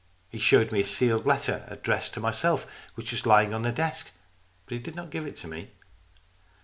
He showed me a sealed letter addressed to myself, which was lying on the desk, but he did not give it to me.